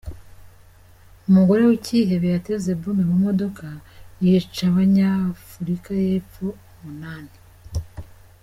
Umugore w’ikihebe yateze bombe mu modoka yica Abanyafurika y’Epfo Umunani